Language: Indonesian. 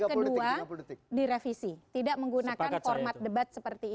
kesalahannya adalah debat kedua direvisi tidak menggunakan format debat seperti ini